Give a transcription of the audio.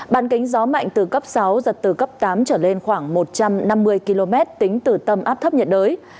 bàn kính gió mạnh từ cấp sáu giật từ cấp tám trở lên khoảng một trăm năm mươi km tính từ tâm áp thấp nhiệt đới